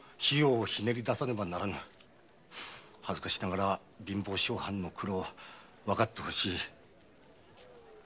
恥ずかしながら貧乏小藩の苦労わかってほしい。